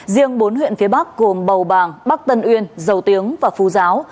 riêng bốn huyện phía bắc gồm bầu bàng bắc tân uyên dầu tiếng và phu giáo